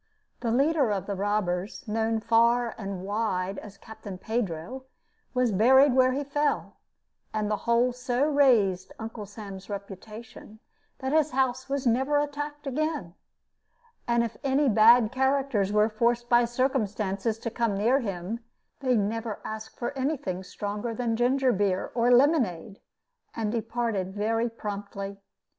The leader of the robbers, known far and wide as "Captain Pedro," was buried where he fell; and the whole so raised Uncle Sam's reputation that his house was never attacked again; and if any bad characters were forced by circumstances to come near him, they never asked for any thing stronger than ginger beer or lemonade, and departed very promptly.